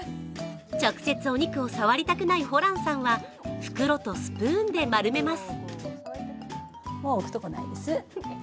直接お肉を触りたくないホランさんは袋とスプーンで丸めます。